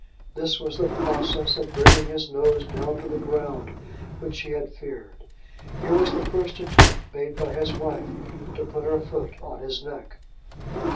This was the process of bringing his nose down to the ground which he had feared. Here was the first attempt made by his wife to put her foot on his neck.